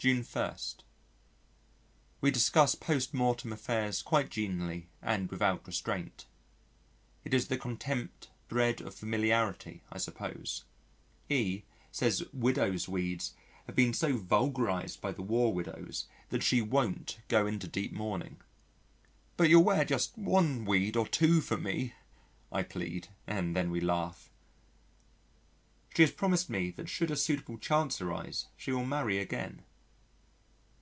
June 1. We discuss post mortem affairs quite genially and without restraint. It is the contempt bred of familiarity I suppose. E says widows' weeds have been so vulgarised by the war widows that she won't go into deep mourning. "But you'll wear just one weed or two for me?" I plead, and then we laugh. She has promised me that should a suitable chance arise, she will marry again.